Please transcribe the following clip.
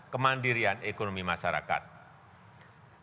kemudian memperkuat pemerintahan yang berbasis inovasi dan teknologi